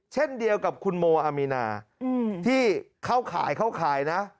เช่นเดียวกับคุณโมอามีนาที่เข้าข่ายเข้าข่ายนะ